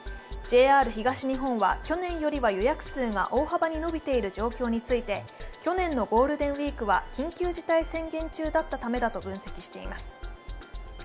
ＪＲ東日本は去年よりは予約数が大幅に伸びている状況について、去年のゴールデンウイークは緊急事態宣言中だったためだと分析しています。